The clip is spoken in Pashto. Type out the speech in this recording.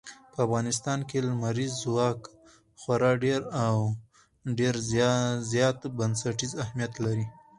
په افغانستان کې لمریز ځواک خورا ډېر او ډېر زیات بنسټیز اهمیت لري.